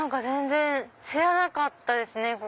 全然知らなかったですね